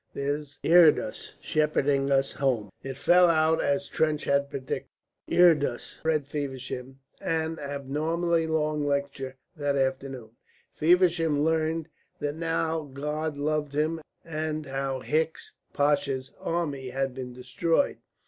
There's Idris shepherding us home." It fell out as Trench had predicted. Idris read Feversham an abnormally long lecture that afternoon. Feversham learned that now God loved him; and how Hicks Pasha's army had been destroyed.